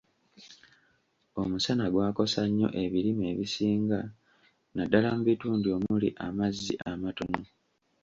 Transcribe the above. Omusana gwakosa nnyo ebirime ebisinga naddala mu bitundu omuli amazzi amatono.